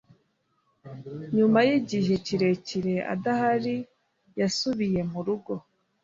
Nyuma yigihe kirekire adahari, yasubiye murugo.